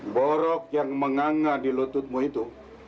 borok yang menganga di lututmu itu